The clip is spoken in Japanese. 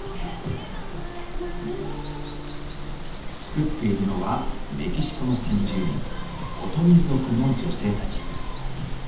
作っているのはメキシコの先住民オトミ族の女性たち。